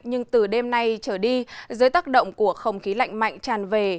nhưng từ đêm nay trở đi dưới tác động của không khí lạnh mạnh tràn về